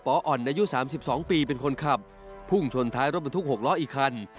ปอ่อนนายุสามสิบสองปีเป็นคนขับพุ่งชนท้ายรถบรรทุกหกล้ออีกคัน